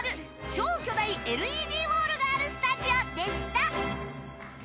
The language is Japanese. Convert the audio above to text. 超巨大ＬＥＤウォールがあるスタジオでした。